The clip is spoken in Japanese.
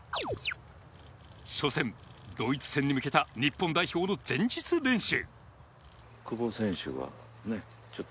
初戦、ドイツ戦に向けた日本代表の前日練習。